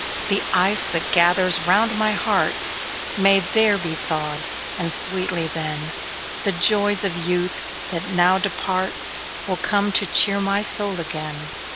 The ice that gathers round my heart May there be thawed; and sweetly, then, The joys of youth, that now depart, Will come to cheer my soul again.